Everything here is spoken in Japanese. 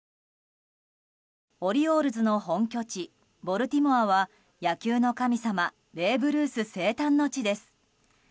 オリオールズの本拠地ボルティモアは野球の神様ベーブ・ルース生誕の地です。